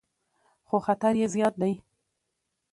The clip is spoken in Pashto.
خو خطر یې زیات دی.